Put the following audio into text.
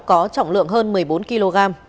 có trọng lượng hơn một mươi bốn kg